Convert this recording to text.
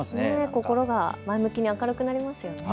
心が前向きに明るくなりますね。